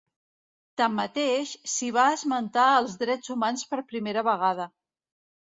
Tanmateix, s'hi va esmentar els drets humans per primera vegada.